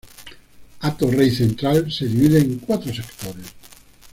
Hato Rey Central se divide en cuatro sectores;